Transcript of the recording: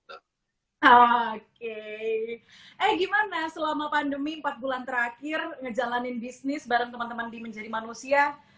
eh gimana selama pandemi empat bulan terakhir ngejalanin bisnis bareng teman teman di menjadi manusia